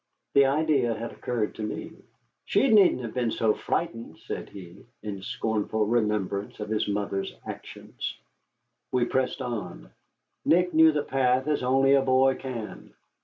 The idea had occurred to me. "She needn't have been so frightened," said he, in scornful remembrance of his mother's actions. We pressed on. Nick knew the path as only a boy can.